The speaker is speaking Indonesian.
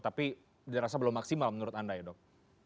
tapi dirasa belum maksimal menurut anda ya dok